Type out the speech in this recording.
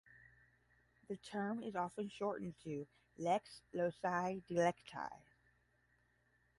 The term is often shortened to "lex loci delicti".